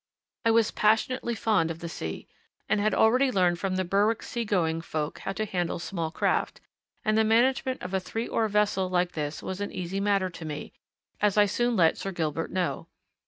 I was passionately fond of the sea, and had already learned from the Berwick sea going folk how to handle small craft, and the management of a three oar vessel like this was an easy matter to me, as I soon let Sir Gilbert know.